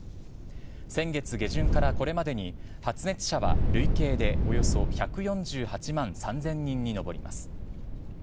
先月下旬からこれまでに発熱者は累計でおよそ１４８万３０００人に上ります。